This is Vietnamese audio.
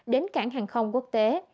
đến cảng hàng không quốc tế